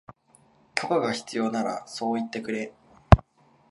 許可が必要ならそう言ってくれ